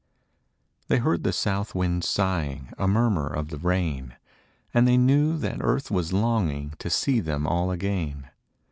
They heard the South wind sighing A murmur of the rain; And they knew that Earth was longing To see them all again.